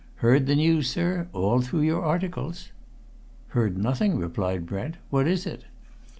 "Heard the news, sir? All through your articles!" "Heard nothing," replied Brent. "What is it?"